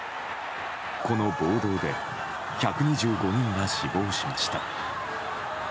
この暴動で１２５人が死亡しました。